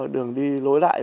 đường đi lối lại